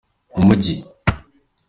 umujyi.